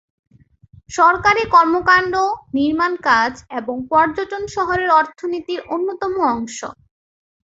সরকারী কর্মকাণ্ড, নির্মাণকাজ এবং পর্যটন শহরের অর্থনীতির অন্যতম অংশ।